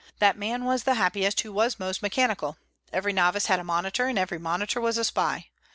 That man was the happiest who was most mechanical. Every novice had a monitor, and every monitor was a spy.